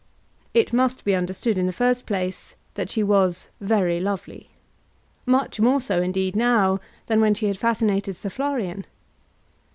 It must be understood in the first place that she was very lovely; much more so, indeed, now than when she had fascinated Sir Florian.